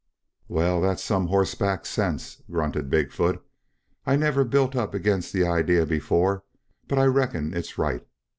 "Well, that's some horseback sense," grunted Big foot. "I never built up against that idee before, but I reckon it's right.